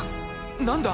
何だ⁉